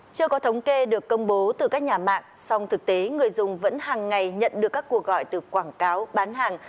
chưa có thống kê được công bố từ các nhà mạng song thực tế người dùng vẫn hàng ngày nhận được các cuộc gọi từ quảng cáo bán hàng